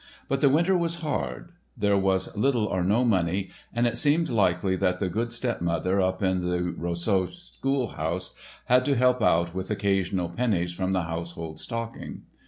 But the winter was hard, there was little or no money and it seems likely that the good stepmother up in the Rossau schoolhouse had to help out with occasional pennies from the household stocking.